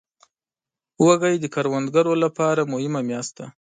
وږی د کروندګرو لپاره مهمه میاشت ده.